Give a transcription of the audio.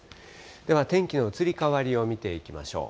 では天気の移り変わりを見ていきましょう。